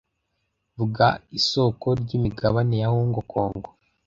Vuga isoko ryimigabane rya Hong Kong